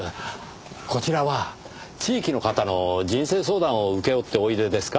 こちらは地域の方の人生相談を請け負っておいでですか？